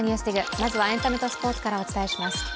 まずはエンタメとスポーツからお伝えします。